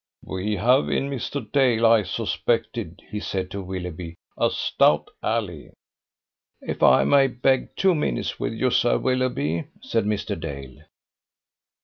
"We have in Mr. Dale, as I suspected," he said to Willoughby, "a stout ally." "If I may beg two minutes with you, Sir Willoughby," said Mr. Dale.